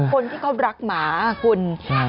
คนที่เขารักหมาคุณ